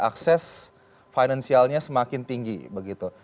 akses finansialnya semakin tinggi begitu